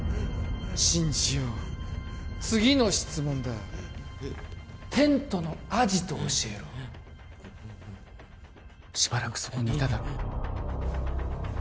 信じよう次の質問だテントのアジトを教えろしばらくそこにいただろ？